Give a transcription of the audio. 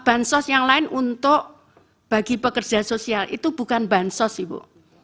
bahan sosial yang lain untuk bagi pekerja sosial itu bukan bahan sos ibu